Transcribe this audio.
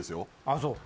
あそう。